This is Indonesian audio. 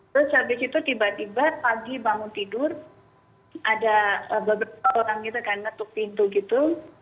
terus habis itu tiba tiba pagi bangun tidur ada beberapa orang gitu kan menutup pintu gitu